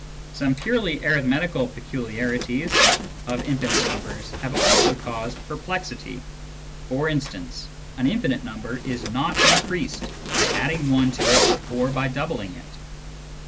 Some purely arithmetical peculiarities of infinite numbers have also caused perplexity. For instance, an infinite number is not increased by adding one to it, or by doubling it.